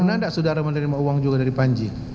pernah tidak saudara menerima uang juga dari panji